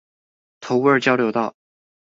頭屋二交流道